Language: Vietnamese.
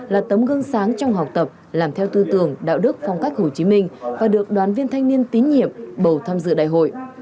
là tấm gương sáng trong học tập làm theo tư tưởng đạo đức phong cách hồ chí minh và được đoàn viên thanh niên tín nhiệm bầu tham dự đại hội